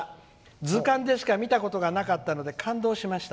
図鑑でしか見たことがなかったので感動しました。